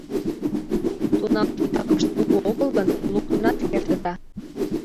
Тунам, титакышт кугу огыл гын, луктынат кертыда.